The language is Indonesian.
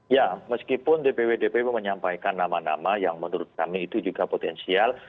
ya meskipun dpw dpw menyampaikan nama nama yang menurut kami itu juga potensial